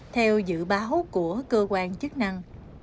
theo dự báo của cơ quan chức năng